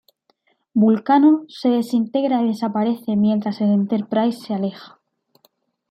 Vulcano se desintegra y desaparece mientras el Enterprise se aleja.